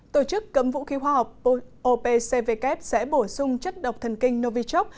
tổ chức cấm vũ khí hóa học opcvk sẽ bổ sung chất độc thần kinh novichok